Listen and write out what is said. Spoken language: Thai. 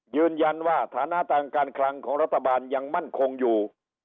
ยืนยันว่าฐานะต่างการคลังของรัฐบาลยังมั่นคงอยู่